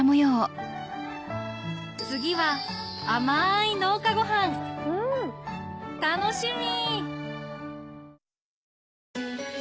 次は甘い農家ごはん楽しみ！